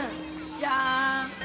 じゃーん